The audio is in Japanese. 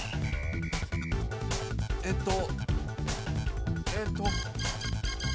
えっと。